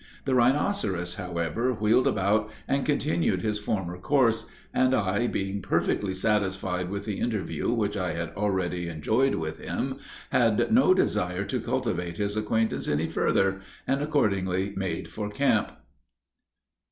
The rhinoceros, however, wheeled about, and continued his former course; and I, being perfectly satisfied with the interview which I had already enjoyed with him, had no desire to cultivate his acquaintance any further, and accordingly made for camp.